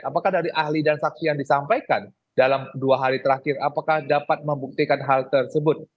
apakah dari ahli dan saksi yang disampaikan dalam dua hari terakhir apakah dapat membuktikan hal tersebut